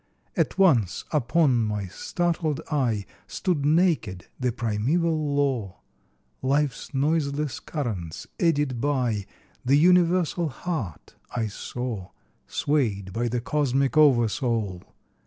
At once upon my startled eye, Stood naked the primeval law, Life's noiseless currents eddied by, The universal heart I saw, Swayed by the cosmic oversoul.